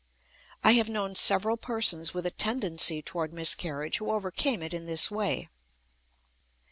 I have known several persons with a tendency toward miscarriage who overcame it in this way.